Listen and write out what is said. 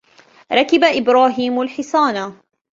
رَكِبَ إِبْرَاهِيمُ الْحِصَانَ.